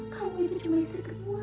kamu itu cuma istri kedua